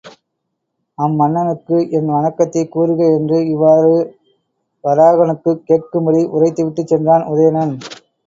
அம் மன்னனுக்கு என் வணக்கத்தைக் கூறுக என்று இவ்வாறு வராகனுக்குக் கேட்கும்படி உரைத்து விட்டுச் சென்றான் உதயணன்.